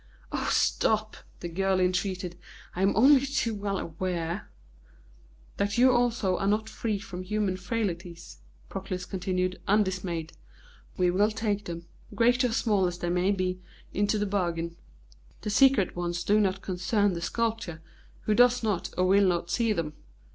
"Oh, stop!" the girl entreated. "I am only too well aware " "That you also are not free from human frailties," Proclus continued, undismayed. "We will take them, great or small as they may be, into the bargain. The secret ones do not concern the sculptor, who does not or will not see them.